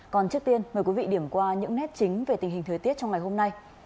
còn trước tiên mời quý vị điểm qua những nét chính về tình hình thời tiết trong ngày hôm nay